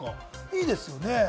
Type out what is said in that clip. いいですよね。